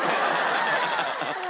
ハハハハ！